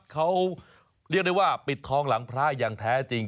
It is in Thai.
เขาเรียกได้ว่าปิดทองหลังพระอย่างแท้จริง